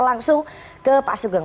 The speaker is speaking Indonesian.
langsung ke pak sugeng